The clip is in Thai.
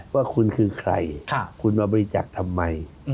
ว่าคุณคือใครคุณมาบริจักษ์ทำไม